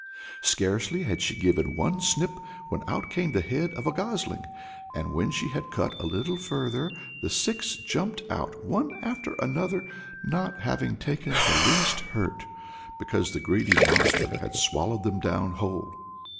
Scarcely had she given one snip, when out came the head of a gosling, and when she had cut a little further, the six jumped out one after another, not having taken the least hurt, because the greedy monster had swallowed them down whole.